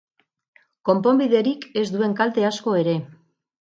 Konponbiderik ez duen kalte asko ere.